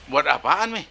buat apaan mi